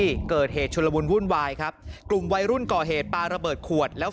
ที่เกิดเหตุชุลมุนวุ่นวายครับกลุ่มวัยรุ่นก่อเหตุปลาระเบิดขวดแล้ว